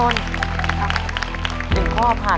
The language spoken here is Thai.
ต้นไม้ประจำจังหวัดระยองก่อนออกรายการครับ